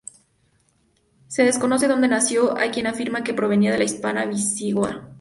Se desconoce dónde nació; hay quien afirma que provenía de la Hispania visigoda.